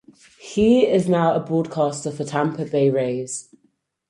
He is now a broadcaster for the Tampa Bay Rays.